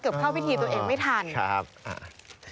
เกือบเข้าพิธีตัวเองไม่ทันอ๋อครับอ่ะ